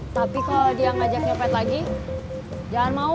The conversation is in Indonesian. tapi kalau dia ngajak nyepet lagi jangan mau